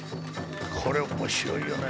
これ面白いよね。